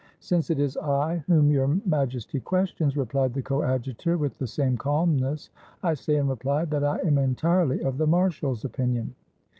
"Since it is I whom Your Majesty questions," replied the Coadjutor, with the same calmness, "I say in reply that I am entirely of the marshal's opinion."